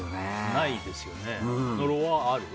ないですよ。